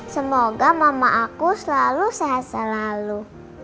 semoga mama aku selalu sehat selalu